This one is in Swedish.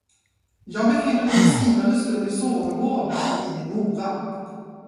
Jag befinner mig i skrivande stund i Zorngården i Mora.